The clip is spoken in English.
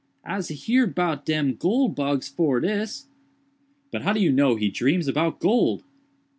Ise heerd 'bout dem goole bugs fore dis." "But how do you know he dreams about gold?"